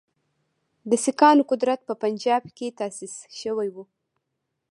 د سیکهانو قدرت په پنجاب کې تاسیس شوی وو.